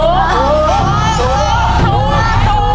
ถูก